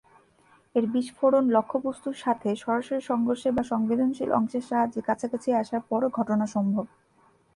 এর বিস্ফোরণ, লক্ষ্যবস্তুর সাথে সরাসরি সংঘর্ষে বা সংবেদনশীল অংশের সাহায্যে কাছাকাছি আসার পরও ঘটানো সম্ভব।